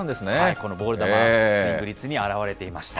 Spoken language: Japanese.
このボール球、スイング率に表れていました。